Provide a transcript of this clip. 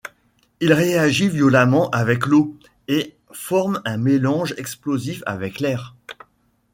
Il réagit violemment avec l'eau, et forme un mélange explosif avec l'air.